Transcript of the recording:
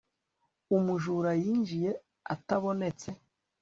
umujura yinjiye atabonetse